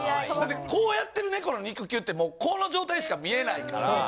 ほんでこうやってる猫の肉球ってもうこの状態しか見えないから。